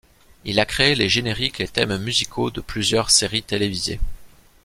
Il a créé les génériques et thèmes musicaux de plusieurs séries télévisées.